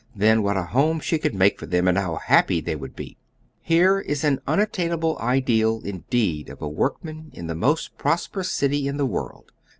Then what a home she could make for them, and how happy they would be. Here is an imattainable ideal, indeed, oE a workman in the most prosperons city in the world